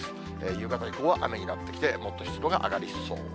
夕方以降は雨になってきて、もっと湿度が上がりそう。